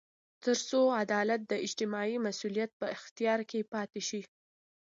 تر څو عدالت د اجتماعي مسوولیت په اختیار کې پاتې شي.